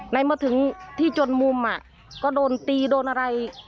ในเมื่อถึงที่จนมุมก็โดนตีโดนอะไร